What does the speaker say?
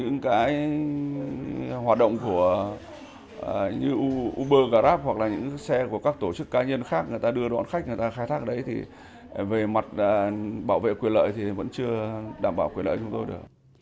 như uber grab hoặc là những xe của các tổ chức cá nhân khác người ta đưa đoạn khách người ta khai thác đấy thì về mặt bảo vệ quyền lợi thì vẫn chưa đảm bảo quyền lợi chúng tôi được